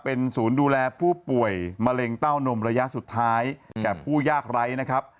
เป็นศูนย์ดูแลผู้ป่วยมะเร็งเต้านมระยะสุดท้ายแก่ผู้ยากไร้นะครับ